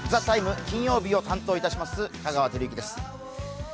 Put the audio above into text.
「ＴＨＥＴＩＭＥ，」、金曜日を担当いたします、香川照之です。